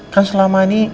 kan selama ini